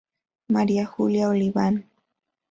María Julia Oliván.